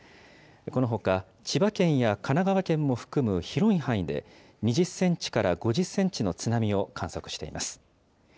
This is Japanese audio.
このほか、千葉県や神奈川県も含む広い範囲で、２０センチから５０センチの津波を観測しています。